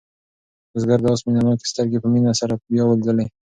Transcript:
بزګر د آس مینه ناکې سترګې په مینه سره بیا ولیدلې.